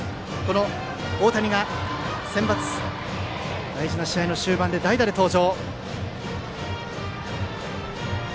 大谷がセンバツの大事な試合の終盤で代打で登場。